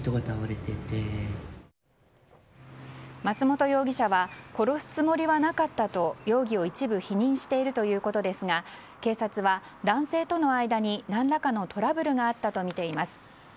松元容疑者は殺すつもりはなかったと容疑を一部否認しているということですが警察は男性との間に何らかのトラブルがあったとみています。